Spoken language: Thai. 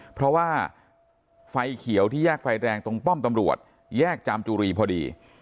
เพราะว่าไฟเขียวที่แยกไฟแดงตรงป้อมตำรวจแยกจามจุรีพอดี